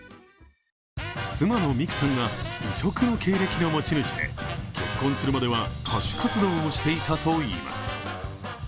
妻の美貴さんは異色の経歴の持ち主で結婚するまでは歌手活動をしていたといいます。